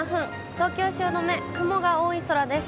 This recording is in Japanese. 東京・汐留、雲が多い空です。